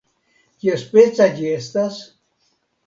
Kiaspeca ĝi estas?